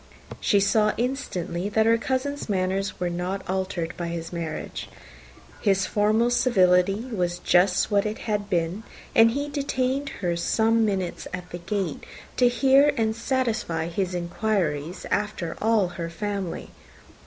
She saw instantly that her cousin's manners were not altered by his marriage: his formal civility was just what it had been; and he detained her some minutes at the gate to hear and satisfy his inquiries after all her family.